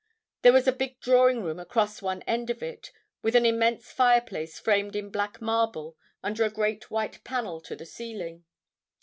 There was a big drawing room across one end of it, with an immense fireplace framed in black marble under a great white panel to the ceiling.